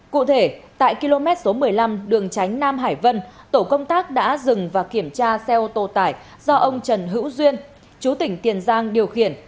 cụ thể tại km số một mươi năm đường tránh nam hải vân tổ công tác đã dừng và kiểm tra xe ô tô tải do ông trần hữu duyên chú tỉnh tiền giang điều khiển